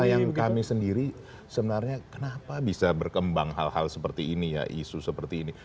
nah yang kami sendiri sebenarnya kenapa bisa berkembang hal hal seperti ini ya isu seperti ini